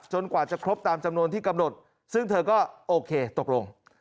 กว่าจะครบตามจำนวนที่กำหนดซึ่งเธอก็โอเคตกลง